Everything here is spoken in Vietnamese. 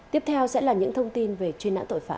tiếp theo sẽ là những thông tin về truy nã tội phạm